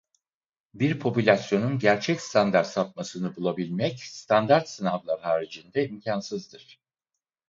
Bir popülasyonun gerçek standart sapmasını bulabilmek standart sınavlar haricinde imkansızdır.